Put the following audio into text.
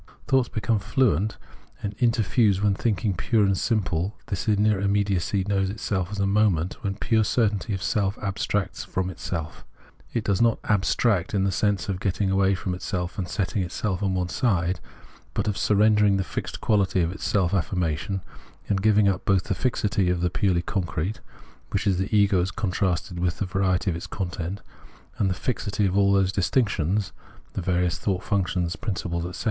Thoughts become fluent and interfuse, when thinking pure and simple, this inner immediacy, knows itself as a moment, when pure certainty of self abstracts from itself. It does not " abstract " in the sense of getting away from itself and setting itself on one side, but of surrendering the fixed quaUty of its self affirmation, and giving up both the fixity of the purely concrete — vifhich is the ego as contrasted with the variety of its content — and the fixity of all those distinctions [the various thought functions, principles, etc.